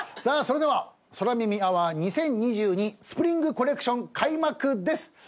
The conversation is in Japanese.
さあそれでは空耳アワー２０２２スプリングコレクション開幕です。